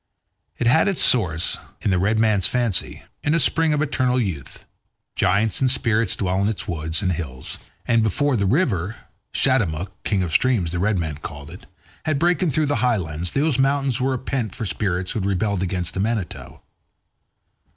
It had its source, in the red man's fancy, in a spring of eternal youth; giants and spirits dwelt in its woods and hills, and before the river Shatemuc, king of streams, the red men called it had broken through the highlands, those mountains were a pent for spirits who had rebelled against the Manitou.